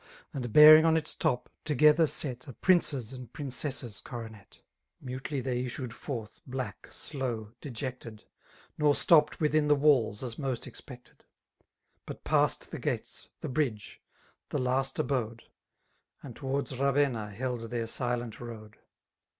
And bearing on its top, together set, A prince's and princess's coronet. Mutely tiuy issued forth, black> slow^ d^ected» Nor stopped witlun the wvUs, as most expected; But passed the gates«* >the bridge ^thelast abode, r And towards Ravenna held their silent road.